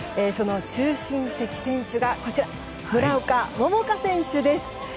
その中心的選手が村岡桃佳選手です。